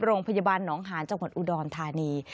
โรงพยาบาลหนองหาญจังหวัดอุดรธานี